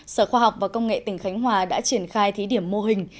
sở khoa học và công nghệ tỉnh khánh hòa đã triển khai thí điểm mô hình